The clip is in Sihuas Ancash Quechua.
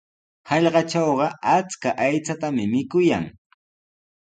Hallqatrawqa achka aychatami mikuyan.